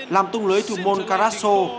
làm tung lưới thủ môn carrasco